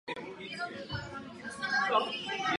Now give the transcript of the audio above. Nachází se v místní lokalitě Dobrá Studně.